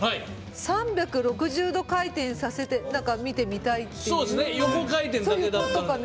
３６０度回転させて見てみたいっていう。